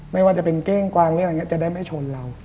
ไม่ว่าจะเป็นเก้งกวางหรืออะไรอย่างนี้จะได้ไม่ชนเรา